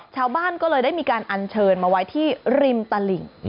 ชาวบ้านก็เลยได้มีการอัญเชิญมาไว้ที่ริมตลิ่ง